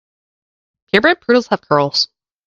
Pure bred poodles have curls.